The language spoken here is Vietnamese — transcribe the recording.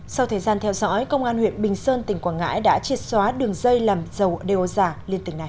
sau thời gian theo dõi công an huyện bình sơn tỉnh quảng ngãi đã triệt xóa đường dây làm dầu đeo giả liên tỉnh này